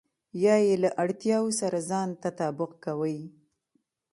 يا يې له اړتياوو سره ځان تطابق کوئ.